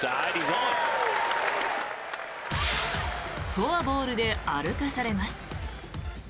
フォアボールで歩かされます。